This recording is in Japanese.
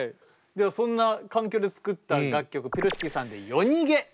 ではそんな環境で作った楽曲ピロシキさんで「よにげ」。